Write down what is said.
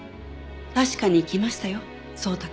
確かに来ましたよ。